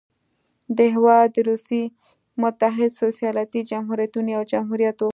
دا هېواد د روسیې متحده سوسیالیستي جمهوریتونو یو جمهوریت و.